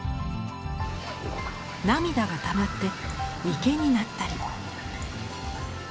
涙がたまって池になったり。